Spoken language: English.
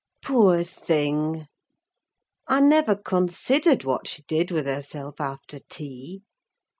Poor thing! I never considered what she did with herself after tea.